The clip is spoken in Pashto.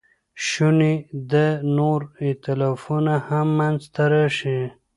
شونې ده نور ایتلافونه هم منځ ته راشي.